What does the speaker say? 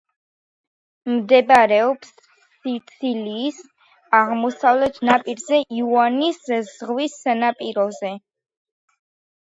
მდებარეობს სიცილიის აღმოსავლეთ ნაპირზე, იონიის ზღვის სანაპიროზე.